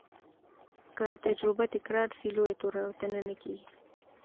که تجربه تکرار سي، لویه تېروتنه نه کېږي.